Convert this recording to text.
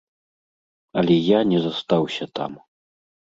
Але я не застаўся там.